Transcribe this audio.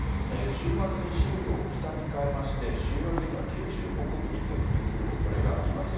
週末に針路を北に変えまして、週明けには九州北部に接近するおそれがあります。